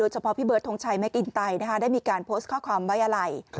เฉพาะพี่เบิร์ดทงชัยแม่กินไตได้มีการโพสต์ข้อความไว้อะไร